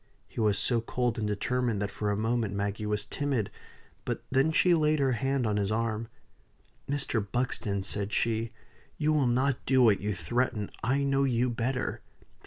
He was so cold and determined that for a moment Maggie was timid. But she then laid her hand on his arm. "Mr. Buxton," said she, "you will not do what you threaten. I know you better.